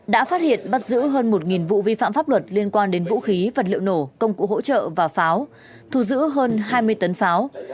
đã phát hiện bắt giữ hơn một vụ vi phạm pháp luật liên quan đến vũ khí vật liệu nổ công cụ hỗ trợ và pháo thu giữ hơn hai mươi tấn pháo